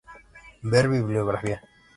Ver bibliografía.